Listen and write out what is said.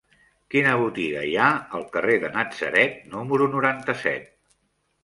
Quina botiga hi ha al carrer de Natzaret número noranta-set?